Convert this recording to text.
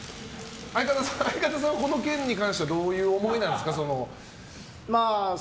相方さんはこの件に関してどういう思いなんですか。